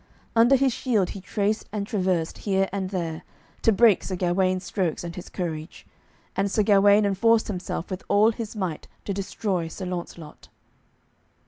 Under his shield he traced and traversed here and there, to break Sir Gawaine's strokes and his courage, and Sir Gawaine enforced himself with all his might to destroy Sir Launcelot.